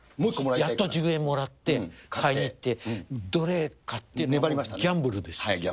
やっと１０円もらって買いに行って、どれかって、ギャンブルですよ。